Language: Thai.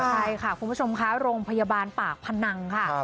ใช่ค่ะคุณผู้ชมค่ะโรงพยาบาลปากพนังค่ะ